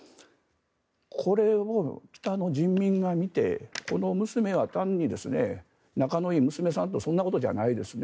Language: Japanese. これを北朝鮮の人民が見てこの娘は単に仲のいい娘さんとかそういうことじゃないですね。